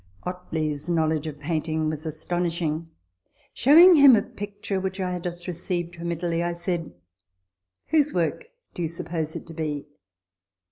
Ottley's knowledge of painting was astonishing. Showing him a picture which I had just received from Italy, I said, " Whose work do you suppose it to be